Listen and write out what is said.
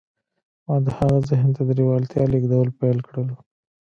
ما د هغه ذهن ته د لېوالتیا لېږدول پیل کړل